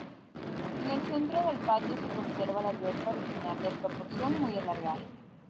En el centro del patio se conserva la alberca original de proporción muy alargada.